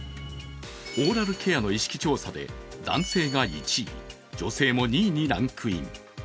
オーラルケアの意識調査で男性が１位、女性も２位にランクイン。